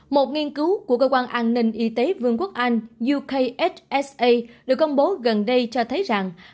một nghiên cứu của cơ quan an ninh y tế vương quốc anh yuksa được công bố gần đây cho thấy rằng